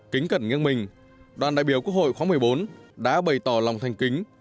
kính cận ngang mình đoàn đại biểu quốc hội khóa một mươi bốn đã bày tỏ lòng thanh kính